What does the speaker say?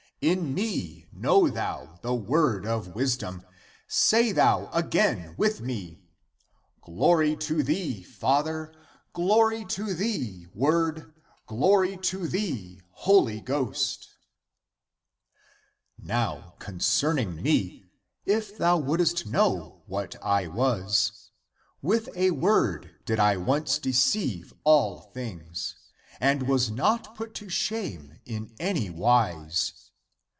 In me know thou the word of wisdom! Say thou again (with) me: Glory to thee, Father ; glory to thee, Word ; Glory to thee, Holy Ghost !" Now concerning me, if thou wouldst know what I was (know) : w^th a word did I once deceive all things, and was not put to shame in any wise.